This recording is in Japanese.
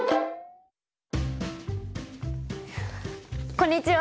こんにちは！